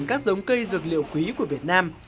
các giống cây dược liệu quý của việt nam